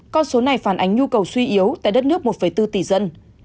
con số này phản ánh nhu cầu suy yếu tại đất nước một bốn tỷ dân